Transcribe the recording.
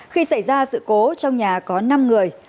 khi xảy ra sự cố trong nhà có năm người